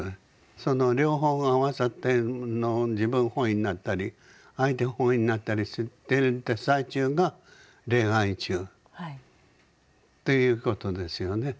その両方が合わさって自分本位になったり相手本位になったりしてる最中が恋愛中ということですよね。